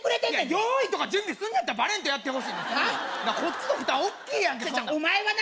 用意とか準備すんのやったらバレんとやってほしいこっちの負担大きいやんけちゃうちゃうお前はな